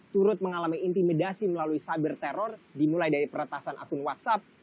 turut mengalami intimidasi melalui saber teror dimulai dari peretasan akun whatsapp